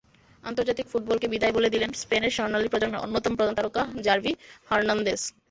আন্তর্জাতিক ফুটবলকে বিদায় বলে দিলেন স্পেনের স্বর্ণালী প্রজন্মের অন্যতম প্রধান তারকা জাভি হার্নান্দেজ।